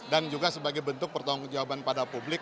dan juga sebagai bentuk pertanggung jawaban pada publik